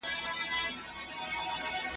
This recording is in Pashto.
که امنيت نه وي نو پيسې مه اخلئ.